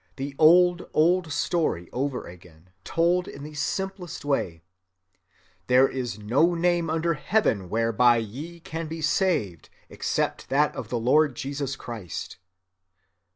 The old, old story over again, told in the simplest way: 'There is no name under heaven whereby ye can be saved except that of the Lord Jesus Christ.